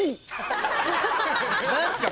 何すか。